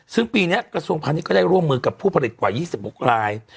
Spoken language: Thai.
ซึ่งปีนี้กระทรวงพาณิชยก็ได้ร่วมมือกับผู้ผลิตกว่า๒๖ราย